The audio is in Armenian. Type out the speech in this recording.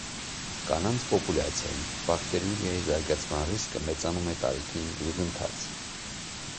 Կանանց պոպուլյացիայում բակտերուրիայի զարգացման ռիսկը մեծանում է տարիքին զուգընթաց։